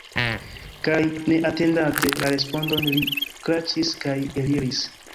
Kaj, ne atendante la respondon, li kraĉis kaj eliris.